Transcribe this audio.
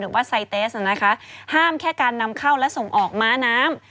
ว่าไซเตสนะคะห้ามแค่การนำเข้าและส่งออกม้าน้ำ